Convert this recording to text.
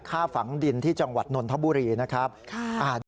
ฆ่าฝังดินที่จังหวัดนนทบุรีนะครับ